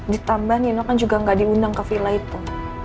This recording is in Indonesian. ditambah nino kan juga gak diundang ke villa itu